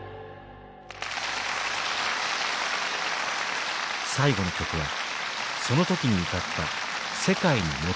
最後の曲はその時に歌った「世界に求む」。